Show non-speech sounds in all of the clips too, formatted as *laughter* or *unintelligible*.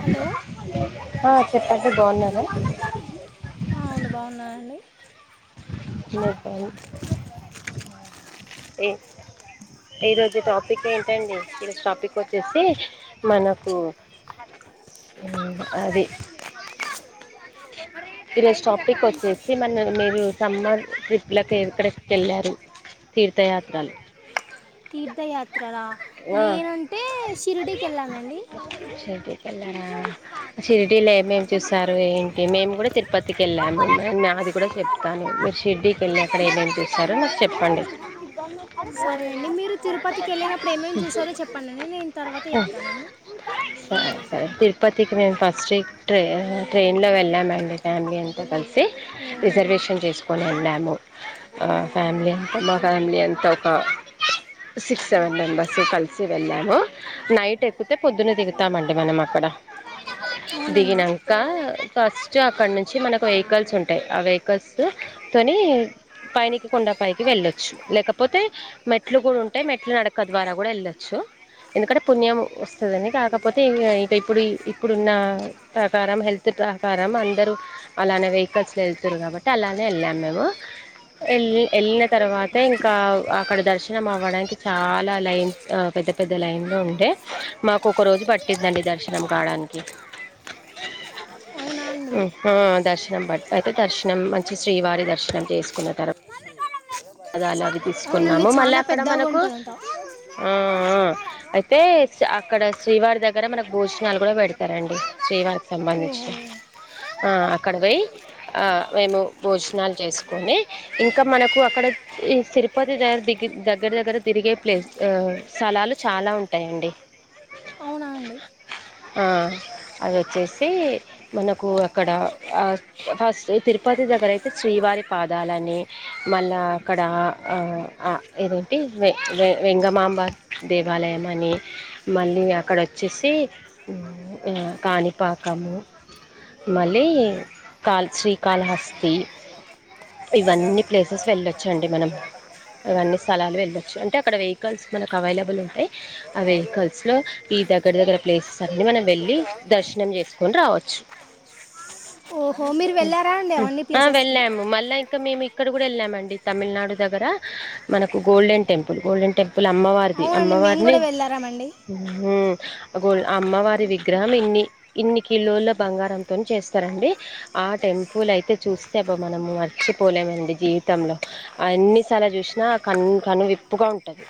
Hello ఆ చెప్పండి బావున్నారా హా అండి బావున్నానండి *unintelligible* ఏ ఈ రోజు టాపిక్ ఏంటండి ఈరోజు టాపిక్ వచ్చేసి మనకు అది ఈరోజ టాపిక్ వచ్చేసి మన మీరు సమ్మర్ ట్రిప్లకి ఎక్కడ కేళ్ళారు తీర్థయాత్రలు తీర్థయాత్ర లా ఆ నేనంటే షిరిడికి ఎళ్ళానండి షిరిడి కెళ్ళారా షిరిడిలో ఏమేమి చూసారు ఏంటి మేము గూడ తిరుపతికి ఎళ్ళాము మ నాది కూడ చెప్తాను మీరు షరిడికి ఎళ్ళి అక్కడ ఏమేం చేసారో నాకు చెప్పండి సరే అండి మీరు తిరుపతికి ఎళ్ళినప్పుడు ఏమేమి చూసారో చెప్పండండి నేను తర్వాత చెప్తానండి స సరే తిరుపతికి మేము ఫస్ట్ ట్రె ట్రైన్లో వెళ్ళామండి. ఫ్యామిలీ అంతా కలిసి ఓహో రిజర్వేషన్ చేసు కొని వెళ్ళాము అ ఫ్యామిలీ అంత మా ఫ్యామిలీ అంతా ఒక సిక్స్ సెవెన్ మెంబస్ స్ కలిసి వెళ్ళాము నైట్ ఎక్కుతే పొద్దున దిగుతామండి మనం అక్కడ అవునండి దిగినంక ఫస్ట్ అక్కడ నుంచి మనకు వెహికల్స్ ఉం టయ్ ఆ వెహికల్స్ తొనీ పైనికి కొండ పైకి వెళ్ళొచ్చు లేకపోతే మెట్లు కూడుంటయ్ మెట్లు నడకద్ ద్వారా గూడ ఎళ్ళొచ్చు ఎందుకంటె పుణ్యం వస్తదని కాకపోతే ఇంగ ఇక ఇప్పుడు ఇ ఇప్పుడున్నా ప్రకారం హెల్త్ ట్రాకారం అందరు అలానే వెహికల్స్ లో ఎళ్తురు కాబట్టి అలానే వెళ్ళాము మేము వెళ వెళ్ళిన తర్వాత ఇంకా అక్కడ దర్శనం అవ్వడానికి చాలా లైన్ పెద్ద పెద్ద లైన్ లో ఉండే మాకు ఒక రోజు పట్టిందం అండి దర్శనం కావడానికి అవునా అండి ఉ హ దర్శనం బట్ అయితే దర్శనం మంచి శ్రీవారి దర్శనం చేసుకున్న తర్వాత *unintelligible* వి అవునండి తీసుకున్నాము మళ్ళీ చాలా అక్కడ పెద్దగా మనకు ఉంటుందంట ఊ ఊ అయితే అక్కడ శ్రీవారి దగ్గర మనకు భోజనాలు కూడా పెడుతారు అండి శ్రీవారికి ఓహో సంబంధించినాయ ఆ అక్కడ పోయి ఆ మేము భోజనాలు చేసుకొని ఇంకా మనకు అక్కడ ఈ తిరుపతి దగ్గ ది దగ్గర దగ్గర తిరిగే ప్లేస్ ఆ స్థలాలు చాలా ఉంటాయండి అవునా అండి హ అది వచ్చేసి మనకు అక్కడ ఆ ఫస్ట్ తిరుపతి దగ్గర అయితే శ్రీవారి పాదాలని మళ్ళా అక్కడ ఆ ఆ ఏదేంటి వె వె వెంగమాంబ దేవాలయం అని మళ్ళీ అక్కడ వచ్చేసి కాణిపాకము మళ్ళీ కాల్ శ్రీకాళహస్తి ఇవ్వని ప్లేసెస్ వెళ్లొచ్చు అండి మనం అవన్నీ స్థలాలు వెళ్ళొచ్చు అంటే అక్కడ వెహికల్స్ మనకు అవైలబుల్ ఉంటాయి ఆ వెహికల్స్ లో ఈ దగ్గర దగ్గర ప్లేసెస్ ఆని మనం వెళ్ళి దర్శనం చేసుకొని రావచ్చు ఓహో మీరు వెళ్ళారా అండి మ్ అవన్నీ ఆ ప్లేసెస్కి వెళ్ళాము మళ్ళా ఇంకా మేము ఇక్కడ కూడా వెళ్ళామండి తమిళ్ నాడు దగ్గర మనకు గోల్డెన్ టెంపుల్ గోల్డెన్ టెంపుల్ అమ్మవారి ఇది అవునండి మేము అమ్మవారిని కూడా వెళ్ళారామండి గో ఆ అమ్మవారి విగ్రహం ఇన్ని ఇన్ని కిలోల బంగారంతోని చేస్తారండి ఆ టెంపుల్ అయితే చూస్తే అబ్బా మనము మర్చిపోలేమండి జీవితంలో అన్నిసార్లు చూసినా కను కను విప్పుగా ఉంటది.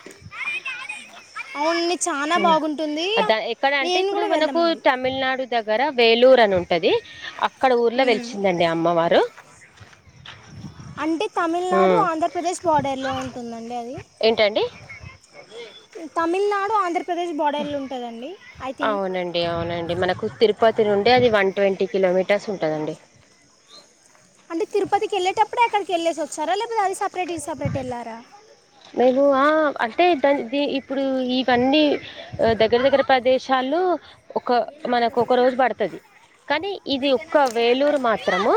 అవునండి చాలా బాగుంటుంది ఉ దా ఎక్కడ అంటే నేను ఇప్పుడు కూడా మనకు వెళ్ళామండి టెం తమిళనాడు దగ్గర వేలూరు అని ఉంటుది అక్కడ ఊర్లో వెలిచిందండి అమ్మవారు అంటే తమిళనాడు ఉమ్ ఆంధ్రప్రదేశ్ బోర్డర్లో ఉంటుందండి అది ఏంటండి తమిళనాడు ఆంధ్రప్రదేశ్ బోర్డర్లు ఉంటదండి ఐ థింక్ ఏమో నండి మనకు తిరుపతి నుండి అది వన్ ట్వంటీ కిలోమీటర్స్ ఉంటుందండి తిరుపతి వెళ్ళేటప్పుడ అక్కడికి వెళ్ళేసి వచ్చారా లేపోతే అది సపరేట్ ఇది సపరేట్ ఎల్లారా లేదు ఆహా అంటే ద ది ఇప్పుడు ఇవన్నీ దగ్గర దగ్గర ప్రదేశాలు ఒక మనకు ఒక రోజు పడతాది కానీ ఇది ఒక్క వేలూరు మాత్రము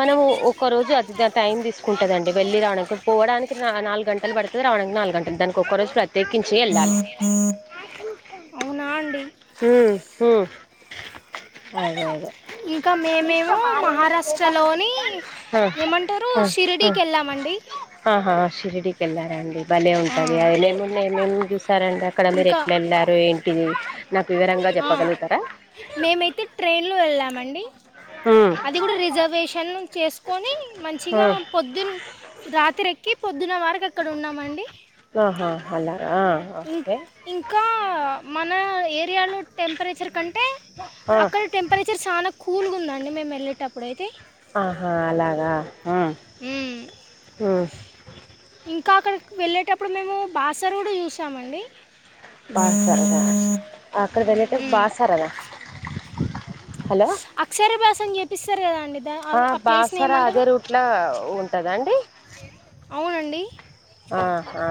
మనము ఒక రోజు అది టైం తీసుకుంటదండి వెళ్ళి రావడానికి పోవడానికి నాలుగు గంట గంటలు పడుతుంది రావడానికి నాలుగు గంటలు దానికి ఒక్కరోజు ప్రత్యేకించి వెళ్ళాలి అవునా అండి మ్ మ్ అదే అదే ఇంకా మేమేము ఏమో మహారాష్ట్రలోని ఆ ఏమంటారు ఆ ఉస్ షిరిడి ఆ కి ఎల్లం అండి ఆహా షిరిడికి వెళ్ళారండి భలే ఆ, ఉంటుంది ఐలేను లేలేను చూసారా అండి అక్కడ మీరు ఇంకా ఎట్లా వెళ్ళారు ఏంటి నాకు వివరంగా చెప్పగలుగుతారా మేము ఐతే ట్రైన్ లో వెళ్ళామండి ఉమ్. అది కూడా రిజర్వేషన్ చేసుకొని ఆ, మంచిగా పొద్దున్ రాత్రి ఎక్కి పొద్దున్న వరకు ఎక్కడ ఉన్నామండి ఆహా అలాగా ఆ, ఇం ఓకే ఇంకా మన ఏరియాలో టెంపరేచర్ కంటే ఆ, అక్కడ టెంపరేచర్ సన కూల్గా ఉందండి మేము వెళ్లేటప్పుడు అయితే ఆహా అలాగా హ్మ్ మ్మ్. హు ఇంకా అక్కడికి వెళ్ళేటప్పుడు మేము బాసరడు చూసామండి బాసార్దా మ్మ్. అక్కడ వెళ్ళితే బాసారదా హలో అక్షరభాసం చెప్పపిస్తారు కదా అండి దా ఆ ప్లేస్నేమంటారు ఎట్లా ఉంటదండి అవునండి ఆ హా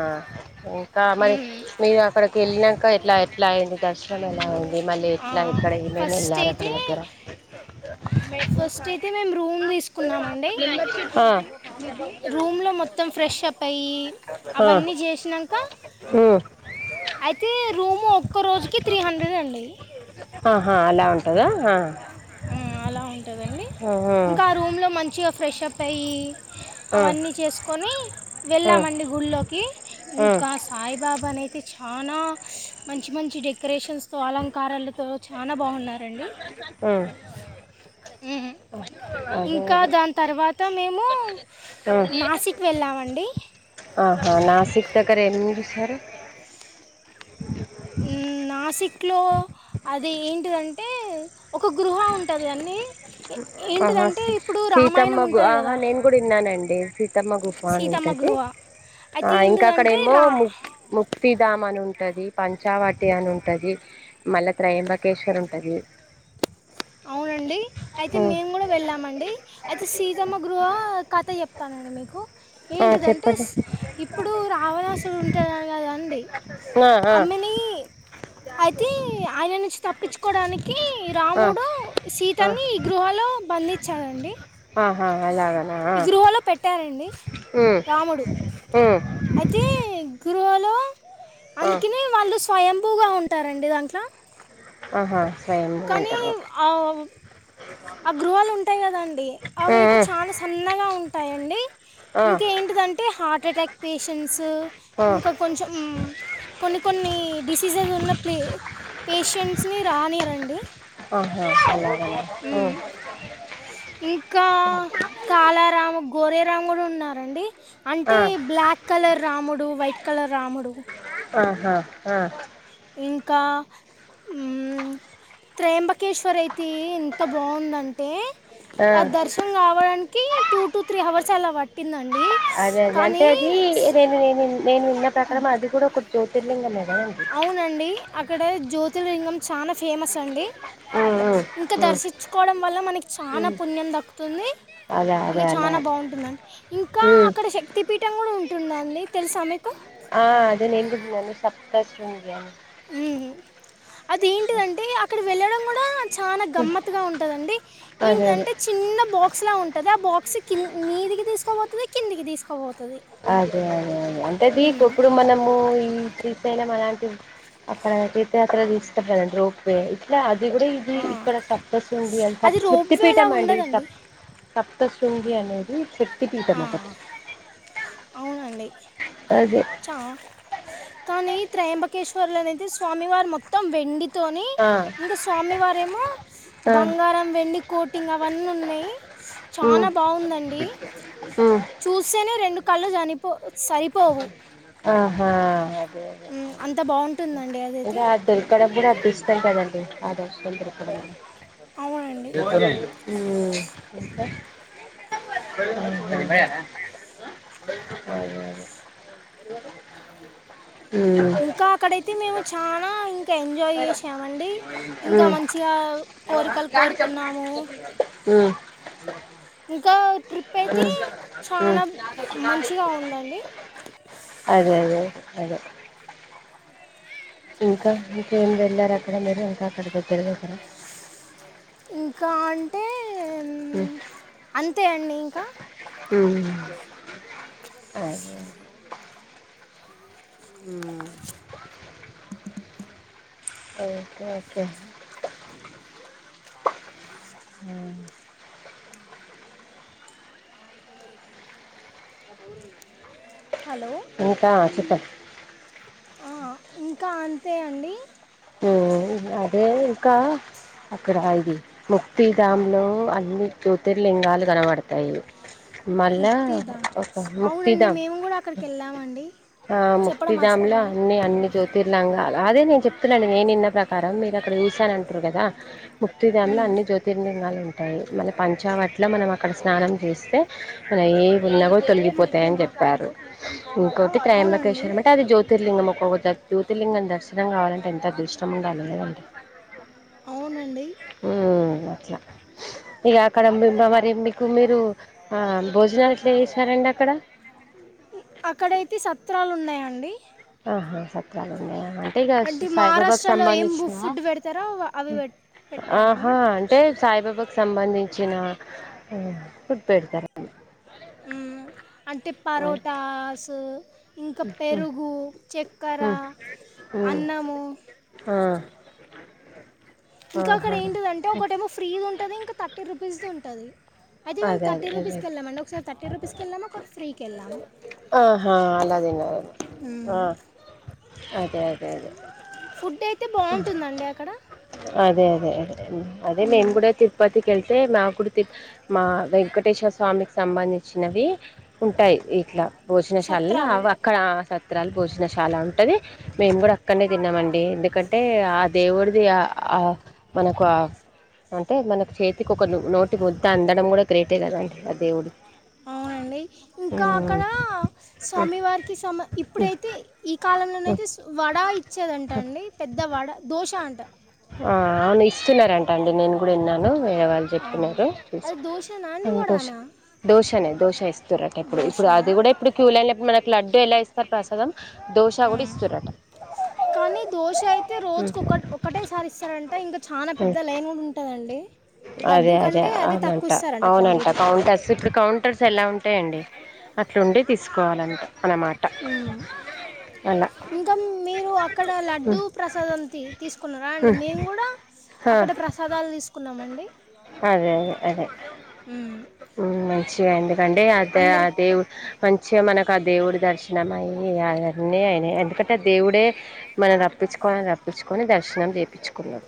ఇంకా మరి హ్మ్ మీరు అక్కడికి వెళ్ళినాక ఎట్లా ఎట్లా అయింది దర్శనం ఎలా అయింది మళ్ళీ ఆ ఎట్లా ఇక్కడ ఏమేమి ఫస్ట్ వెళ్ళారు అక్కడ అయితే దగ్గర ఫస్ట్ అయితే మేము రూమ్ తీసుకున్నామండి ఆ, రూమ్ లో మొత్త మొత్తం ఫ్రెషప్ అయ్యి ఆ, అవన్నీ చేసినాక ఉమ్, అయితే రూము ఒక్క రోజు ఆహా అలా ఉంటందా ఆ అలా ఉంటదండి ఉమ్, ఇంకా ఆ రూమ్లో మంచిగా ఫ్రెష్ అప్ అయి ఉమ్, అవన్నీ చేస్కొని ఉమ్, వెళ్ళామండి గుడ్లోకి అదే ఇంకాస్ సాయిబాబా నైయితే చాలా మంచి మంచి డెకరేషన్స్ తో అలంకారాలు తో చానా బాగునరండి హుమ్మ్ ఇంకా దాని తర్వాత మేమూ నాసిక్ వెళ్ళామండి ఆహా నాసిక్ దగ్గర ఏమేం చూసారు హ్మ్మ్ నాసిక్లో అదెంటిదంటే ఒక గృహ ఉంటది కాన్ని ఆహా ఏంటిదంటే ఇప్పుడు రామాయణం ఉంటది కదా అంటే సీతమ్మ గుహ్పా అని సీతమ్మ ఉంటది గృహ ఆ అయితే ఇంకా ఏంటిదంటే అక్కడేమో రా ము ముక్తిధామని ఉంటది పంచావాటి అనుంటది మళ్ళా త్రయంబకేశ్వర్ ఉంటది అవునండి అయితే మేము కూడా వెళ్ళామండి అయితే సీతమ్మ గృహ కథ చెప్తానండి మీకు ఆ ఏంటిదంటే చెప్పండి ఇప్పుడు రావణాసురుడుంట గదండి ఆ ఆ అమ్మనీ అయితే ఆయన నుంచి తప్పించుకోవడానికీ ఆ రాము ఆ సీతాన్నీ గృహలో బంధించారండి. ఆహా అలాగా ఈ గృహలో పెట్టారండి ఉమ్ రాముడు ఉమ్ ఐ తే గుృహలో ఆ అందుకని వాళ్ళు స్వయంభూగా ఉంటారండి దాంట్లో. ఆహా స్వయంగా కానీ ఉంటారు ఓకే ఆ ఆ గృహాలుంటాయి కదండి ఆ అవైతే చాలా సన్నగా ఉంటాయండి. ఆ ఇంకా ఏంటిది అంటే హార్ట్ఎటాక్ పేషెంట్సు ఆ ఇంకా కొంచెం కొన్ని కొన్ని డిసీజెస్ ఉన్న ప్లే పేషెంట్స్ ని రానీయర్ ఆహా అలాగ ఓ ఇంకా కాలారాము గోరెరాము కూడా ఉన్నారండి. ఆ అంటే బ్లాక్ కలర్ రాముడు వైట్ కలర్ రాముడు. ఆహా ఆ ఇంకా త్రయంబకేశ్వర్ అయితే ఎంత బాగుందంటే ఆ దర్శ నం కావడానికి టూటు త్రీ అవర్స్ అలా పట్టిందండి. అదే అదే అంటే కానీ అదీ నేను నేను నేను విన్న ప్రకారం అది కూడా ఒక జ్యోతిర్లింగమేనా అనిపి అవునండి అక్కడ జ్యోతిర్లింగం చానా ఫేమస్ అండి. ఉమ్ ఇంకా ఉమ్ దర్శించుకోవడం వల్ల మనకి చానా ఉమ్ పుణ్యం దక్కుతుంది. అదే అదే ఇంకా అలా చానా బాగుంటుందండి ఇంకా ఉమ్ అక్కడ శక్తిపీఠ. ఠం కూడా ఉంటుందండి తెలుసా మీకు. ఆ అదే నేను కూడా నని సప్తస్తుందని ఉ అది ఏంటిదంటే అక్కడ వెళ్ళడం కూడా చానా గమ్మతుగా ఉంటదండి ఇంక్ అదే అదే అంటే చిన్న బాక్స్ లా ఉంటది ఆ బాక్స్ కిం మీదికి తీస్కబోతది కిందికి తీస్కబోతది అదే అదే అదే అంటేదీ కప్పుడు మనము ఈ బెల్లం అలాంటి అక్కడ తీర్థయాత్ర తీసుకొస్తా రండి రోపే ఇట్లా అది కూడా ఈ ది ఆ. ఇక్కడ సప్తశృంగి అని అది శక్తి రోప్వేలా పీఠం అండి ఉండదండి సప్తశృంగి అనేది శక్తి పీఠం ఒకటి హా అండి అది చ కానీ త్రయంబకేశ్వర్లు అనేది స్వామివారు మొత్తం వెండి తోని ఆ ఇంగ స్వామి వారేమో ఆ బంగారం వెండికోటింగ్ అవన్నీ ఉన్నాయి చాన ఉమ్ బాగుందండి. ఉమ్ చూస్సెనే రెండు కళ్ళు చనిపో సరిపోవు. ఆహా అదే అదే మ్మ్. అంత అదే బాగుంటుందండి ఒక అదైతే దొరకడం కూడా అదృష్టం కదండి ఆ దర్శన్ దొరకడం అవునండి కూడా ఉ ఇంకా ఉ ఉ ఉ ఇంకా అక్కడ అయితే మేము చానా ఇంకా ఎంజాయ్ చేసామండి ఇంగా ఉమ్ మంచిగా కోరికల్ కోరుకున్నాము. ఉ ఇంకా ట్రిప్ ఐ అ అ ఉందండి అదే అదే అదే ఇంకా ఇంకేం వెళ్ళారు అక్కడ మీరు ఇంకా అక్కడ దగ్గర దగ్గర ఇంకా అంటే హ్మ్ అంతే అండి ఇంకా హ్మ్ హ్మ్ ఓకే ఓకే హ్మ్ హలో ఇంకా చెప్పున్ ఆ ఇంకా అంతే అండి హ్మ్ అదే ఇంకా అక్కడ ఇది ముక్తి గామ్ లో అన్ని జ్యోతిర్లింగాలు కనబడ్తాయి మళ్ళా ముక్తిధామ్ ఒక అవునండి ముక్తిదాం మేము కూడా అక్కడికి వెళ్ళామండి ఆ చెప్పడం ముక్తిధామ్ లా మర్చిపోయాను అన్ని అన్ని జ్యోతిర్లంగాలు అదే నేను చెప్ తున్నాను నేనింన్న ప్రకారం మీరక్కడ చూశాను అంటురు కదా ముక్తి దామ్లో మ్, అన్ని జ్యో తిర్లింగాలు ఉంటాయి మన పంచావట్లో మనం అక్కడ స్నానం చేస్తే అలా ఏదున్నా గూడా తొలిగిపోతాయ్ అని చెప్పారు ఇంకోటి అవునండి త్రేయంబకేశ్వరం అంటే అది జ్యోతిర్లింగం ఒక్కొక్క జోతి జ్యోతిర్లింగం దర్శనం కావలం ఎంత అదృష్టం ఉండాలి కదండి అవునండి హ్మ్ అట్లా ఇగ అక్కడ మిమ్మ మరి మీకు మీరు ఆ భోజనాలు ఎట్లా చేసారండి అక్కడ అక్కడైతే సత్రాలున్నాయండి ఆహా సత్రాలున్నయా టేఇగ అంటే సాయిబాబకి మహారాష్ట్రలో ఏం బు- సంబంధించీనా ఫుడ్ పెడతారో వ- అవి పెట్- పెట్టారండి ఆహా అం టే సాయిబాబాకి సంబంధించిన ఫుడ్ పెడ్తారు హ్మ్ అంటే వాళ్ళు పరోటాస్ ఉ ఇంకా పెరుగు చక్కెర హ్మ్ హ్మ్ అన్నము ఆ ఇంకాక్కడ ఆహా ఏంటిదంటే ఒకటేమో ఫ్రీ ఉంటది ఇంక థర్టీ రూపీస్ది ఉంటది అయితే మేము అదే అదే థర్టీ అదే రూపీస్కి ఎళ్ళామండి ఒకసారి థర్టీ రూపీస్కెళ్ళాము ఒకట్ ఫ్రీకెళ్ళాం ఆహా అలా దిన్నఏమో మ్మ్. ఆ అదే అదే అదే ఫుడ్ అయితే బావుంటుందండి అక్కడ అదే అదే అదే అదే అండీ నేను మ్మ్. కూడ తిరుపతికిళ్తే నా కూడు తి మా వెంకటేశ్వర స్వామికి సంబంధించినవి ఉంటాయ్ ఇట్లా భోజనశాలలో సత్రాలు అవి అక్కడ ఆ సత్రాలు భోజనశాల ఉంటది మేము గూడ అక్కడ్నే తిన్నామం డి ఎందుకంటే ఆ దేవుడిది ఆ ఆ మనకు అ అంటే మనకు చేతికి ఒక నోటి ముద్ద అందడం గూడ గ్రేటే కదండి ఆ దేవుడు అవునండి ఇంకా ఆ అక్కడ స్వామివారికి సమ ఇప్పుడైతే ఈ కాలంలోనైతే సు వడ ఇచ్చేదంట అండి పెద్ద వడ దోశ అంట ఆ అవును ఇస్తున్నారంట అండి నేను గూడ ఇన్నాను వేరే వాళ్ళు ఆ, చెప్పినారు అది దోశనా అండి సంతోషం వడనా దోశనే దోశ ఇస్తురట ఇప్పుడు దోశ ఇప్పుడు అది గూడ ఇప్పుడు క్యూ లైన్లకు మనకి లడ్డు ఎలా ఇస్ ప్రసాదం దోశ గూడ ఉమ్. ఇస్తురట కానీ దోశ అయితే రోజుకు ఉహు ఒక ఒకటేసారి ఇస్తారంట ఇంగ చానా పెద్ద లైన్ ఉంటదండి అదే అదే అవునంట అవునంట క్వాంటిటీ కౌంటర్స్ ఇప్పుడు కౌం టర్స్ అలా ఉంటయండి అట్లుండి తీసుకోవాలంట అనమాట అలా మ్మ్. ట ఇంకా మీ మీరు అక్కడ లడ్డూ ప్రసాదం తి తీసుకున్నారా అండి మేము గూడా అక్కడ ప్రస దాలు తీసు అదే అదే అదే మ్మ్. ఆ మంచిగైంది కండి అదే ఆ అందరి దేవు మంచిగా మనకు ఆ దేవుడి దర్శనం అయ్యి అయన్నీ అయినయ్ ఎందుకంటే దేవుడే మనం రప్పిచుకోవాలని రప్పిచుకొని దర్శనం చేపిచుకున్నరు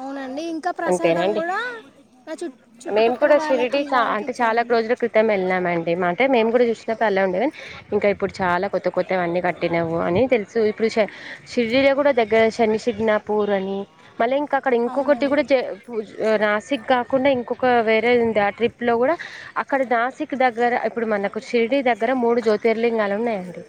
అవునండి ఇ కా ప్రసాదం అంతేనండి గూడ నా చు మేము చుట్టుపక్కల వాళ్ళకి వాళ్ళకి ఇచ్చామండి మొత్తం ఎళ్ళామండి అంటే మేము గూడ చూసినప్పుడు అలా ఉండే ఇంకా ఇప్పుడు చాలా కొత్త కొత్త వన్నీ కట్టినవు అని తెలుసు ఇప్పుడు శ షిరిడిలో గూడ దగ్గర శని శిగ్నాపూర్ అని మళ్ళీ ఇంకా అక్కడ ఇంకొకటి అవునండి గూడ ఎ పూజ్ నాసిక్ కాకుండా ఇంకొక వేరేదుంది ఆ ట్రిప్ లో గూడ అక్ అక్కడ నాసిక్ దగ్గర ఇప్పుడు మనకు షిరిడి దగ్గర మూడు జ్యోతిర్లింగాలు ఉన్నయండి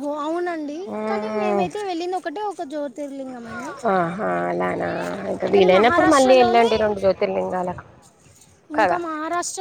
ఓ అవునం డి కనీ మ్మ్. మేమైతే వెళ్ళింది ఒకటే ఒక జ్యోతిర్లింగం అండి ఆహా అలానా ఇంకా కనీ వీలైనప్పుడు మళ్ళీ మహారాష్ట్రలోనే వెళ్ళండి రెండు జ్యోతిర్లింగాలకు ఇంకా కదా మహారాష్ట్ర